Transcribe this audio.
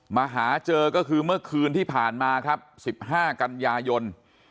มาหาเจอก็คือเมื่อคืนที่ผ่านมาครับ๑๕กันยายน